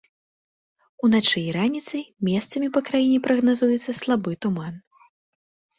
Уначы і раніцай месцамі па краіне прагназуецца слабы туман.